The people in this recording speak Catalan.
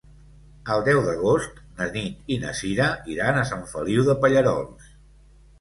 El deu d'agost na Nit i na Sira iran a Sant Feliu de Pallerols.